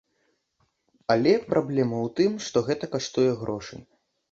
Але праблема і ў тым, што гэта каштуе грошай.